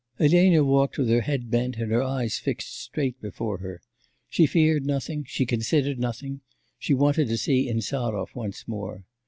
XVIII Elena walked with her head bent and her eyes fixed straight before her. She feared nothing, she considered nothing; she wanted to see Insarov once more.